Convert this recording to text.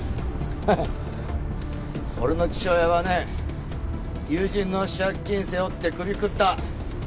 ハハッ俺の父親はね友人の借金背負って首をくくった。